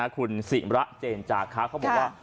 คุณสิระเจนจากครับเค้าบอกว่า